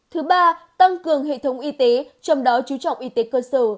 thứ ba tăng cường hệ thống y tế trong đó chú trọng y tế cơ sở